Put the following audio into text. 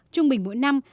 trung bình mỗi năm